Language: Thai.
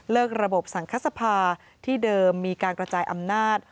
ระบบสังคสภาที่เดิมมีการกระจายอำนาจ